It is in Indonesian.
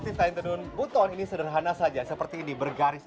si kain tenun buton ini sederhana saja seperti ini bergaris